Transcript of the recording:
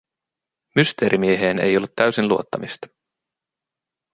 Mysteerimieheen ei ollut täysin luottamista.